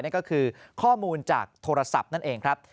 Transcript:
นั่นก็คือข้อมูลจากโทรศัพท์นั่นเองครับ